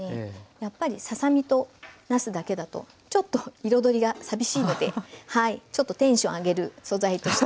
やっぱりささ身となすだけだとちょっと彩りが寂しいのでちょっとテンション上げる素材として。